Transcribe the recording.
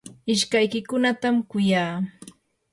ishkaykiykunatam kuyaa.